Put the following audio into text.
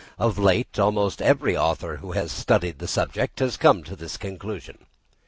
Of late, almost every author who has studied the subject has come to this conclusion.